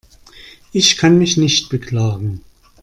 Ich kann mich nicht beklagen.